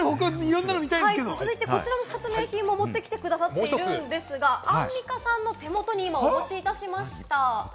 続いてこちらの発明品も持ってきてくださっているんですが、アンミカさんの手元に今お持ちいたしました。